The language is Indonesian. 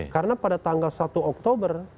karena pada tanggal satu oktober